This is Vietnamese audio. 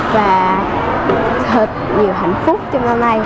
và hợp nhiều hạnh phúc trong năm nay